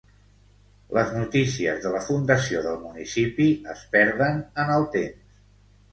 Les notícies de la fundació del municipi es perden en el temps.